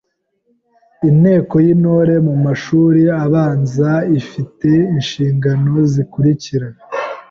Inteko y’Intore mu mashuri abanza ifi te inshingano zikurikira: